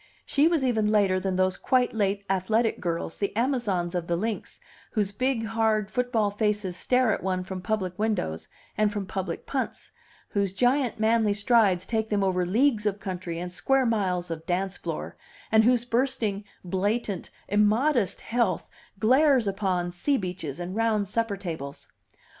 She was even later than those quite late athletic girls, the Amazons of the links, whose big, hard football faces stare at one from public windows and from public punts, whose giant, manly strides take them over leagues of country and square miles of dance floor, and whose bursting, blatant, immodest health glares upon sea beaches and round supper tables.